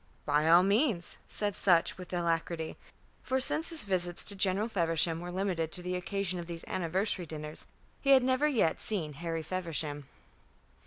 "By all means," said Sutch, with alacrity. For since his visits to General Feversham were limited to the occasion of these anniversary dinners, he had never yet seen Harry Feversham.